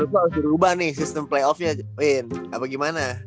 berarti menurut lu harus diubah nih sistem play offnya apa gimana